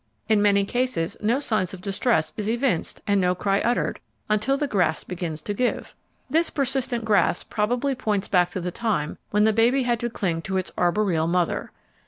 "In many cases no sign of distress is evinced and no cry uttered, until the grasp begins to give way." This persistent grasp probably points back to the time when the baby had to cling to its arboreal mother.